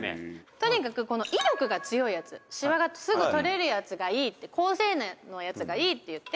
「とにかくこの威力が強いやつ「しわがすぐ取れるやつがいいって高性能のやつがいいって言って」